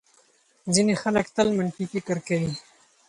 ځینې خلک تل منفي فکر کوي.